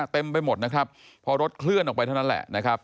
เต็มไปหมดนะครับพอรถเคลื่อนออกไปเท่านั้นแหละนะครับ